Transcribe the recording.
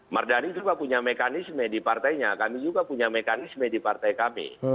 mardani juga punya mekanisme di partainya kami juga punya mekanisme di partai kami